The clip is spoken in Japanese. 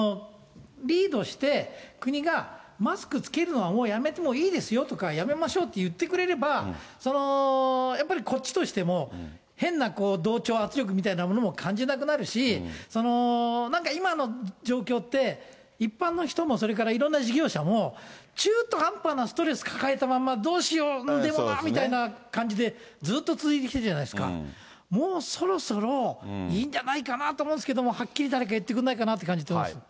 リードして、国が、マスク着けるのはもうやめてもいいですよとか、やめましょうって言ってくれれば、やっぱりこっちとしても、変な同調圧力みたいなものも感じなくなるし、なんか今の状況って、一般の人も、それからいろんな事業者も、中途半端のストレス抱えたまま、どうしよう、うーん、でもなぁみたいな感じで、ずっと続いてきてるじゃないですか、もうそろそろいいんじゃないかなと思うんですけど、はっきり誰かが言ってくれないかなっていう感じですよ。